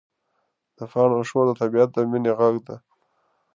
د پاڼو شور د طبیعت د مینې غږ دی.